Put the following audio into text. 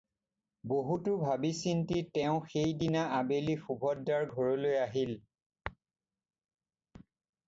বহুতো ভাবি চিন্তি তেওঁ সেই দিনা আবেলি সুভদ্ৰাৰ ঘৰলৈ আহিল।